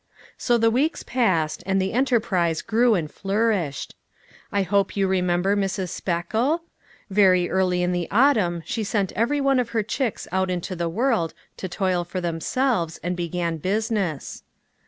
So the weeks passed, and the enterprise grew and flourished. I hope you remember Mrs. Speckle ? Very early in the autumn she sent every one of her chicks out into the world to toil for themselves and began business.